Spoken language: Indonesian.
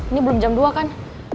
ini belum jam dua kan